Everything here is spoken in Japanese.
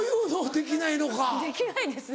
できないです。